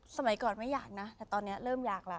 สมัยก่อนไม่อยากนะแต่ตอนนี้เริ่มอยากแล้ว